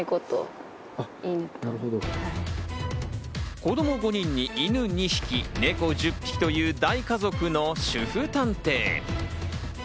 子ども５人にイヌ２匹、ネコ１０匹という大家族の主婦探偵。